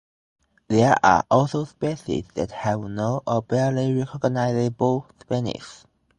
There are also species that have no or barely recognizable spines.